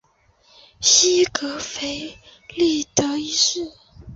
西格弗里德一世。